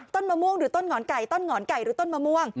มะม่วงหรือต้นหอนไก่ต้นหอนไก่หรือต้นมะม่วง